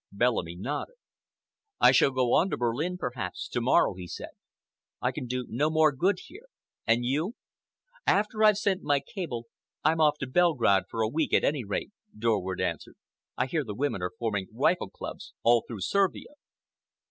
Bellamy nodded. "I shall go on to Berlin, perhaps, to morrow," he said. "I can do no more good here. And you?" "After I've sent my cable I'm off to Belgrade for a week, at any rate," Dorward answered. "I hear the women are forming rifle clubs all through Servia."